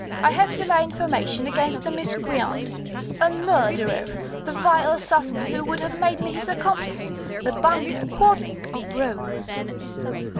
I have to lay information against a miscreant a murderer the vile assassin who would have made me his accomplice the banker, Quadling, of Rome!"